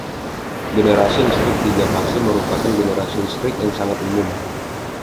Generasi listrik tiga fase merupakan generasi listrik yang sangat umum.